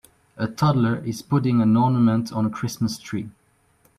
A toddler is putting an ornament on a Christmas tree